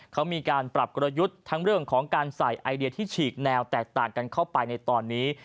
เขามีการปรับกลยุทธ์ทั้งเรื่องของการใส่ไอเดียที่ฉีกแนวแตกต่างกันเข้าไปในตอนนี้